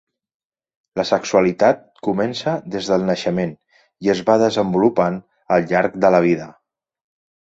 La sexualitat comença des del naixement i es va desenvolupant al llarg de la vida.